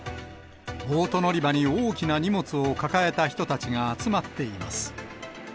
ボート乗り場に大きな荷物を抱えた人たちが集まっています。